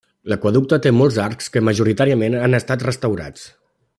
L'aqüeducte té molts arcs que majoritàriament han estat restaurats.